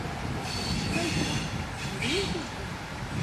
Ишԥа, ишԥа, иреиӷьыз ба?!